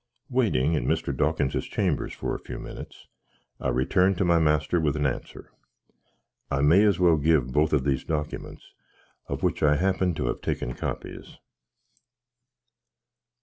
Waiting in Mr. Dawkinses chambus for a few minnits, I returned to my master with an anser. I may as well give both of these documence, of which I happen to have taken coppies.